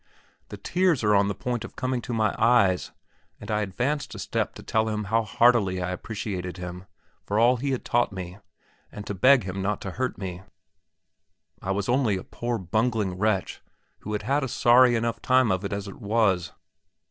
The tears are on the point of coming to my eyes, and I advanced a step to tell him how heartily I appreciated him, for all he had taught me, and to beg him not to hurt me; I was only a poor bungling wretch, who had had a sorry enough time of it as it was....